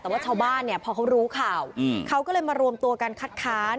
แต่ว่าชาวบ้านเนี่ยพอเขารู้ข่าวเขาก็เลยมารวมตัวกันคัดค้าน